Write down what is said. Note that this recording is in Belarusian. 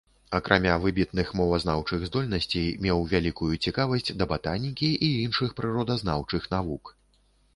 Акрамя выбітных мовазнаўчых здольнасцей меў вялікую цікавасць да батанікі і іншых прыродазнаўчых навук.